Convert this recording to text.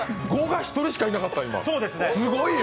５が１人しかいなかった。